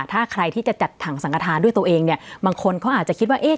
ถ้าใครที่จะจัดถังสังกฐานด้วยตัวเองเนี่ยบางคนเขาอาจจะคิดว่าเอ๊ะ